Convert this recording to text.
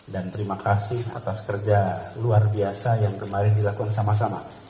dan terima kasih atas kerja luar biasa yang kemarin dilakukan sama sama